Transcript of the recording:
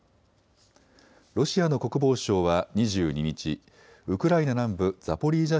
ロシアの国防省は２２日、ウクライナ南部ザポリージャ